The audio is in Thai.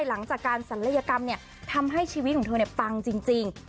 หลังจากการศัลยกรรมเนี้ยทำให้ชีวิตของเธอเนี้ยปังจริงจริง